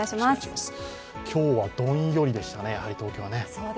今日はどんよりでしたね、東京は。